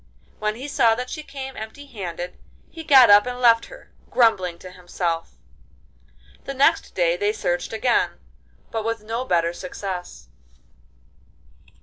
When he saw that she came empty handed he got up and left her, grumbling to himself. The next day they searched again, but with no better success.